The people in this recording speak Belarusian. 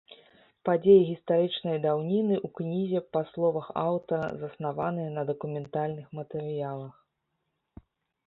Падзеі гістарычнай даўніны ў кнізе, па словах аўтара, заснаваныя на дакументальных матэрыялах.